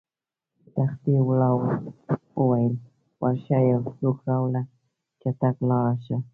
تختې والاو وویل: ورشه یو څوک راوله، چټک لاړ شه.